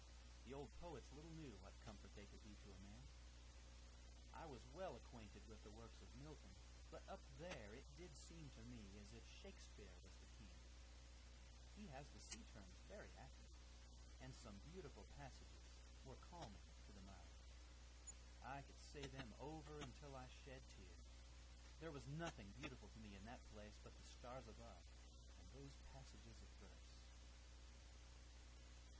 The old poets little knew what comfort they could be to a man. I was well acquainted with the works of Milton, but up there it did seem to me as if Shakespeare was the king; he has his sea terms very accurate, and some beautiful passages were calming to the mind. I could say them over until I shed tears; there was nothing beautiful to me in that place but the stars above and those passages of verse.